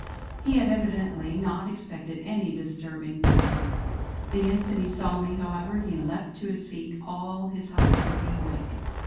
He had evidently not expected any disturbing visitor. The instant he saw me, however, he leaped to his feet, all his hostility awake.